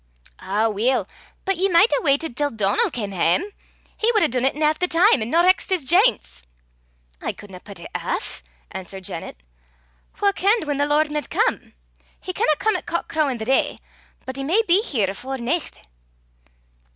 "Ow, weel! but ye micht hae waitit till Donal cam hame; he wad hae dune 't in half the time, an' no raxed his jints." "I cudna pit it aff," answered Janet. "Wha kenned whan the Lord micht come? He canna come at cock crawin' the day, but he may be here afore nicht."